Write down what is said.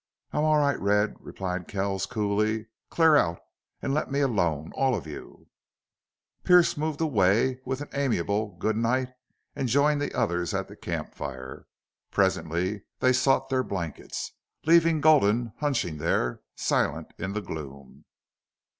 "I'm all right, Red," replied Kells, coolly. "Clear out and let me alone. All of you." Pearce moved away with an amiable good night and joined the others at the camp fire. Presently they sought their blankets, leaving Gulden hunching there silent in the gloom.